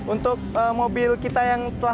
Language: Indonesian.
untuk mobil kita yang telah kita kembali